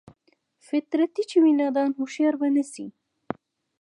فطرتي چې وي نادان هوښيار به نشي